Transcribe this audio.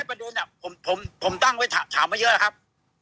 ผมตั้งถามมาเยอะนะครับ